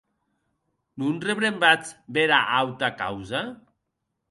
Non rebrembatz bèra auta causa?